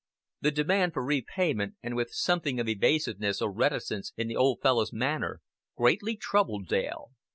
The demand for repayment, and with something of evasiveness or reticence in the old fellow's manner, greatly troubled Dale.